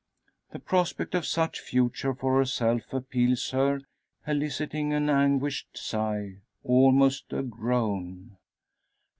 The prospect of such future for herself appals her, eliciting an anguished sigh almost a groan.